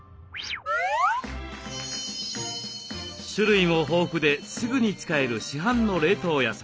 種類も豊富ですぐに使える市販の冷凍野菜。